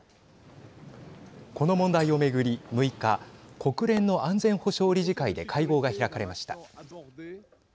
この問題を巡り、６日国連の安全保障理事会で会合が開かれました。